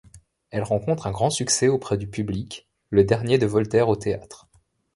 Elle rencontre un grand succès auprès du public, le dernier de Voltaire au théâtre.